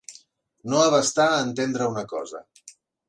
No abastar a entendre una cosa.